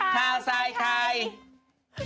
ข้าวใส่ใคร